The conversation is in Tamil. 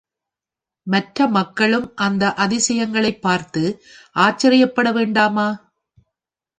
மற்ற மக்களும் அந்த அதிசயங்களைப் பார்த்து ஆச்சரியப்பட வேண்டாமா?